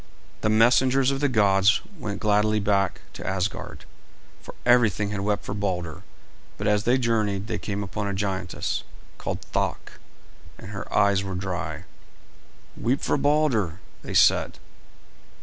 The messengers of the gods went gladly back to Asgard, for everything had wept for Balder; but as they journeyed they came upon a giantess, called Thok, and her eyes were dry. "Weep for Balder," they said.